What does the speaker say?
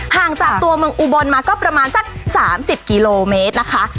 ห่างจากตัวเมืองอุบลมาก็ประมาณสัก๓๐กิโลเมตรนะคะ